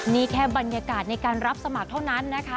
นี่แค่บรรยากาศในการรับสมัครเท่านั้นนะคะ